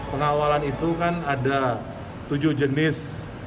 pengawalan itu kan ada tujuh jenis